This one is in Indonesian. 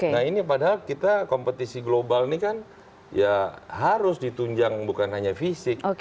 nah ini padahal kita kompetisi global ini kan ya harus ditunjang bukan hanya fisik